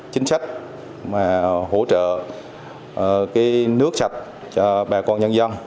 chính sách hỗ trợ nước sạch cho bà con nhân dân